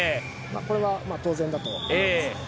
これは当然だと思います。